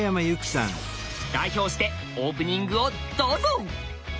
代表してオープニングをどうぞ！